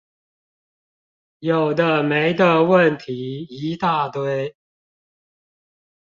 有的沒的問題一大堆